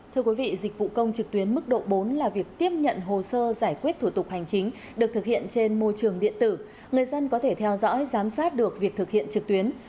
thưa quý vị dịch vụ công trực tuyến mức độ bốn là việc tiếp nhận hồ sơ giải quyết thủ tục hành chính được thực hiện trên môi trường điện tử người dân có thể theo dõi giám sát được việc thực hiện trực tuyến